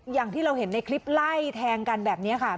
อย่างที่เราเห็นในคลิปไล่แทงกันแบบนี้ค่ะ